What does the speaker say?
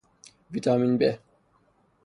ویتامین ب